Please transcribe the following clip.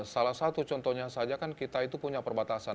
salah satu contohnya saja kan kita itu punya perbatasan